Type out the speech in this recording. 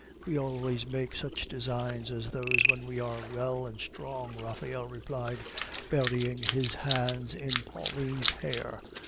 "We always make such designs as those when we are well and strong," Raphael replied, burying his hands in Pauline's hair.